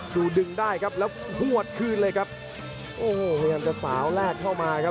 ดูดึงได้ครับแล้วหวดคืนเลยครับโอ้โหพยายามจะสาวแลกเข้ามาครับ